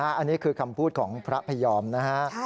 อันนี้คือคำพูดของพระพยอมนะฮะ